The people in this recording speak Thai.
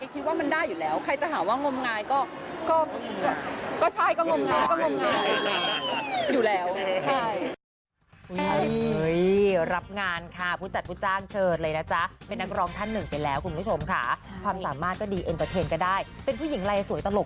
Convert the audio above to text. คิดว่ามันได้อยู่แล้วใครจะหาว่างมงายก็ใช่ก็งมงายก็งมงาย